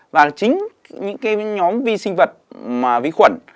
và chính những cái nhóm vi sinh vật vi khuẩn